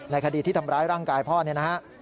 คดีที่ทำร้ายร่างกายพ่อเนี่ยนะฮะ